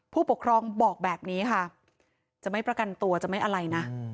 ผู้ปกครองบอกแบบนี้ค่ะจะไม่ประกันตัวจะไม่อะไรนะ